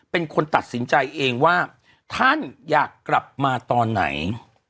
เป็นคนตัดสินใจเองว่าท่านอยากกลับมาตอนไหน